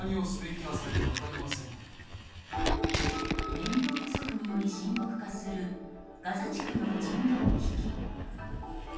燃料不足により深刻化するガザ地区の人道危機。